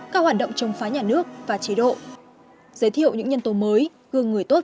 các hoạt động chống phá nhà nước và chế độ giới thiệu những nhân tố mới gương người tốt